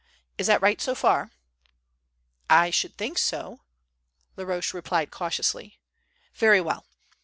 Is that right so far?" "I should think so," Laroche replied cautiously. "Very well.